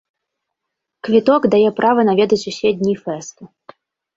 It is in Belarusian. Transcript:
Квіток дае права наведаць усе дні фэсту.